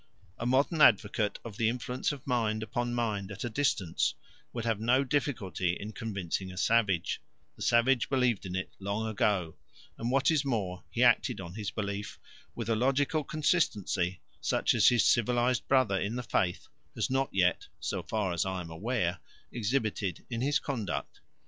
A modern advocate of the influence of mind upon mind at a distance would have no difficulty in convincing a savage; the savage believed in it long ago, and what is more, he acted on his belief with a logical consistency such as his civilised brother in the faith has not yet, so far as I am aware, exhibited in his conduct.